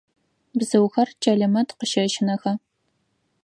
Бзыухэр Чэлэмэт къыщэщынэха?